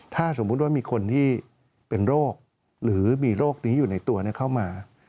ถ้าสมมุติว่ามีคนที่เป็นโรคหรือมีโรคนี้อยู่ในตัวเข้ามา